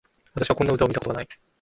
私はこんな詩を見たことがない